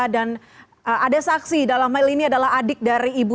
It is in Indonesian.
dan ada saksi dalam mail ini adalah adik dari ibu